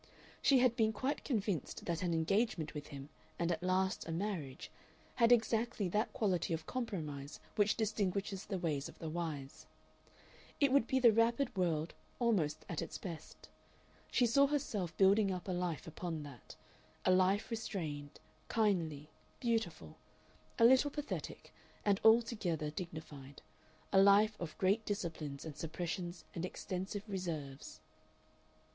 She had been quite convinced that an engagement with him and at last a marriage had exactly that quality of compromise which distinguishes the ways of the wise. It would be the wrappered world almost at its best. She saw herself building up a life upon that a life restrained, kindly, beautiful, a little pathetic and altogether dignified; a life of great disciplines and suppressions and extensive reserves...